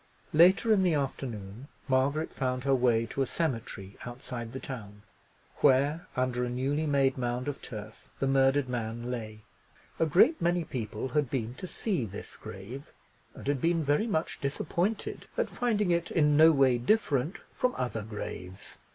Later in the afternoon, Margaret found her way to a cemetery outside the town, where, under a newly made mound of turf, the murdered man lay. A great many people had been to see this grave, and had been very much disappointed at finding it in no way different from other graves.